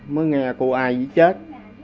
mới nghe cô ai chứ chết